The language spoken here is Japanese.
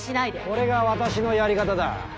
これが私のやり方だ。